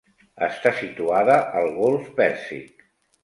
Està situada al golf Pèrsic.